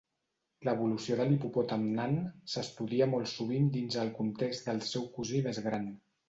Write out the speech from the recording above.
L'evolució de l'hipopòtam nan s'estudia molt sovint dins el context del seu cosí més gran.